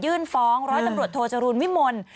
ฟ้องร้อยตำรวจโทจรูลวิมล